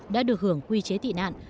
đã được hưởng quy chế tị nạn